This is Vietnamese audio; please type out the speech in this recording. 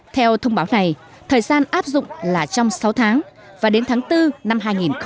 theo thông báo này thời gian áp dụng là trong sáu tháng và đến tháng bốn năm hai nghìn hai mươi